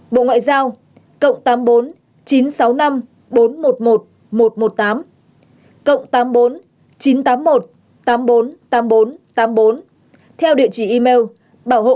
bộ ngoại giao